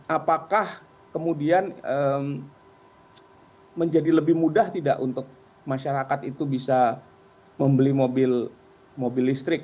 apakah kemudian menjadi lebih mudah tidak untuk masyarakat itu bisa membeli mobil listrik